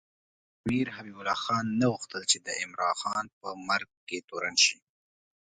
امیر حبیب الله خان نه غوښتل چې د عمراخان په مرګ کې تورن شي.